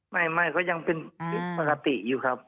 ไม่เขายังเป็นปกติอยู่ครับ